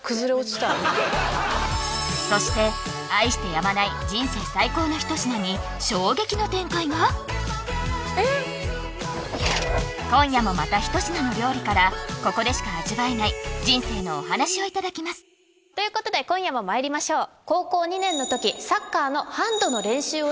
そして愛してやまない今夜もまた一品の料理からここでしか味わえない人生のお話をいただきますということで今夜もまいりましょうえっ？